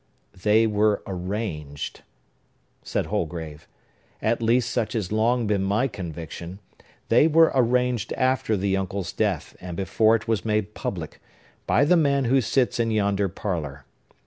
"They were arranged," said Holgrave,—"at least such has long been my conviction,—they were arranged after the uncle's death, and before it was made public, by the man who sits in yonder parlor.